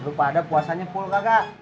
lu pada puasanya full kakak